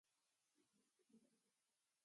Ambos fueron publicados por "Virgin Books".